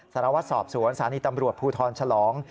สารวัตรสอบสวนสถานีตำรวจภูทรฉลอง